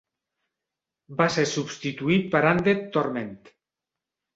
Va ser substituït per Undead Torment.